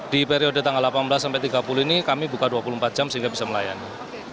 di periode tanggal delapan belas sampai tiga puluh ini kami buka dua puluh empat jam sehingga bisa melayani